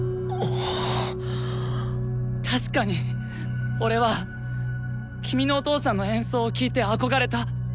確かに俺は君のお父さんの演奏を聴いて憧れた。